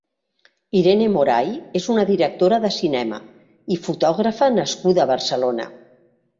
Irene Moray és una directora de cinema i fotògrafa nascuda a Barcelona.